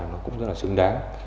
nó cũng rất là xứng đáng